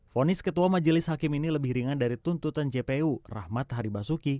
fonis ketua majelis hakim ini lebih ringan dari tuntutan jpu rahmat haribasuki